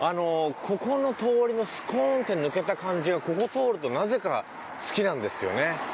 ここの通りのスコーンって抜けた感じがここ通るとなぜか好きなんですよね。